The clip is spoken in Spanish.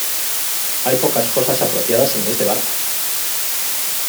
hay pocas cosas apropiadas en este barco.